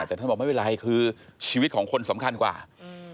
แต่ท่านบอกไม่เป็นไรคือชีวิตของคนสำคัญกว่าอืม